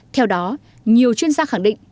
theo đó nhiều chuyên gia khẳng định